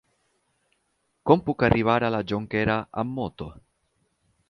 Com puc arribar a la Jonquera amb moto?